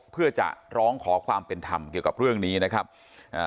เพื่อจะร้องขอความเป็นธรรมเกี่ยวกับเรื่องนี้นะครับอ่า